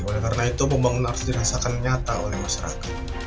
oleh karena itu pembangunan harus dirasakan nyata oleh masyarakat